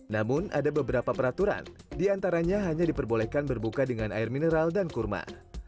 namun ada beberapa peraturan diantaranya hanya diperbolehkan berbuka dengan air mineral dan kurma